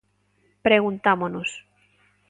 Preguntámonos.